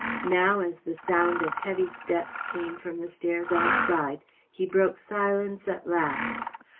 Now, as the sound of heavy steps came from the stairs outside, he broke silence at last.